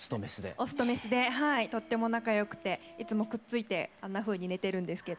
オスとメスでとっても仲よくていつもくっついてあんなふうに寝てるんですけど。